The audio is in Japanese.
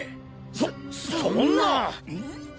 そそんな！